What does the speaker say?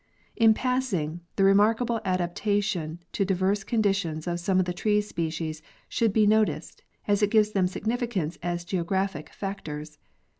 In passing, the remarkable adaptation to diverse conditions of some of the tree species should be noticed, as it gives them significance as geographic factors.